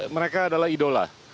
mereka adalah idola